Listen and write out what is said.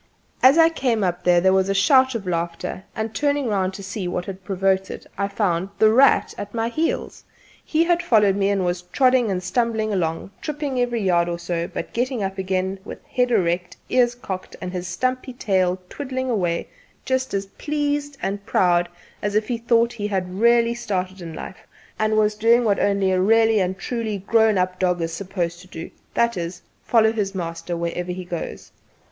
As I came up there was a shout of laughter, and turning round to see what had provoked it I found "The Rat" at my heels. He had followed me and was trotting and stumbling along, tripping every yard or so, but getting up again with head erect, ears cocked and his stumpy tail twiddling away just as pleased and proud as if he thought he had really started in life and was doing what only a 'really and truly' grown¬ up dog is supposed to do that is, follow his master wherever he goes.